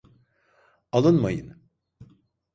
Alınmayın.